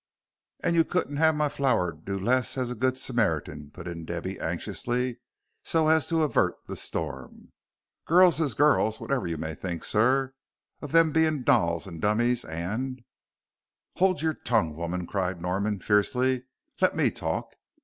"And you couldn't have my flower do less as a good Smart 'un," put in Debby, anxiously, so as to avert the storm. "Girls is girls whatever you may think, sir, of them being dolls and dummies and " "Hold your tongue, woman," cried Norman, fiercely, "let me talk.